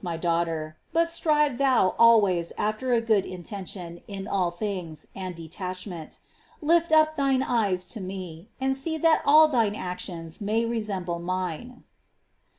My daughter ; but strive thou always after a good intention in all things, and detachment ; lift up thine eyes to Me, and see that all thine actions may resemble Mine."